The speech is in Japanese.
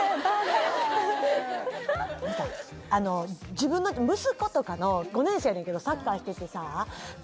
自分の息子とかの５年生やねんけどサッカーしててさ